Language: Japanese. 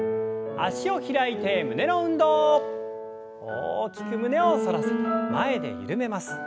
大きく胸を反らせて前で緩めます。